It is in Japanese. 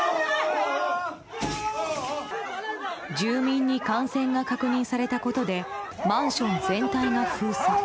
住民に感染が確認されたことでマンション全体が封鎖。